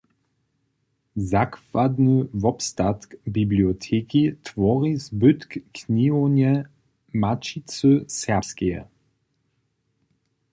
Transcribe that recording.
Zakładny wobstatk biblioteki twori zbytk knihownje Maćicy Serbskeje.